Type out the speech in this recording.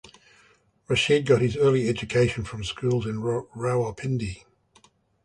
Rashid got his early education from schools in Rawalpindi.